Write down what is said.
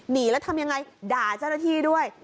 หนีแล้วทำยังไงด่าเจ้าหน้าที่ด้วย